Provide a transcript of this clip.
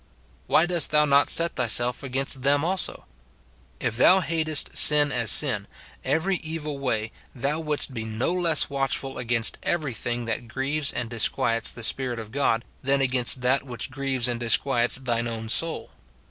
Why dost thou not set thyself against them also ? If thou hatest sin as sin — every evil way, thou wouldst be no less watchful against every thing that grieves and disquiets the Spirit of God, than against that which grieves and disquiets thine own soul.